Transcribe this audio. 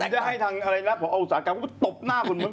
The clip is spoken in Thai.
เดี๋ยวผมจะให้ทางอะไรนะผมเอาอุตสาหกรรมตบหน้าคุณ